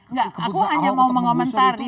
enggak aku hanya mau mengomentari